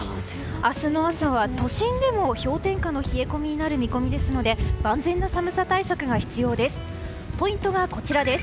明日の朝は都心でも氷点下の冷え込みになる見込みですので万全な寒さ対策が必要です。